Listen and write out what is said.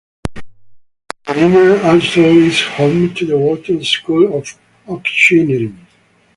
Medina also is home to the Walton School of Auctioneering.